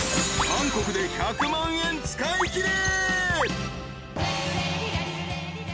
［韓国で１００万円使いきれ］